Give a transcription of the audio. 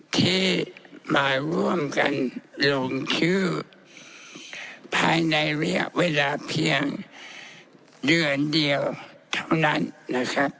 ที่มาร่วมกันลงชื่อภายในระยะเวลาเพียงเดือนเดียวเท่านั้นนะครับ